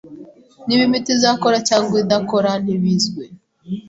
Niba imiti izakora cyangwa idakora ntibizwi.